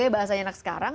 bahasanya enak sekarang